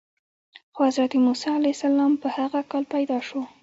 خو حضرت موسی علیه السلام په هغه کال پیدا شو.